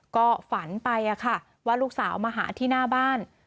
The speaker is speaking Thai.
ก็ฝันไปว่าลูกสาวมาหาที่หน้าบ้าน